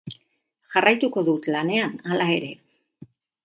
Jarraituko dut lanean, hala ere.